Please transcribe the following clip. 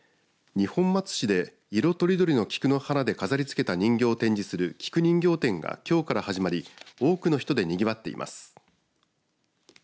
二本松市で色とりどりの菊の花で飾りつけた人形を展示する菊人形展が、きょうから始まり多くの人でにぎわっています。